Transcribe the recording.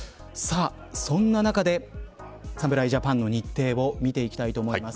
そんな中で侍ジャパンの日程を見ていきたいと思います。